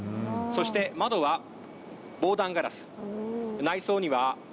そして窓は防弾ガラス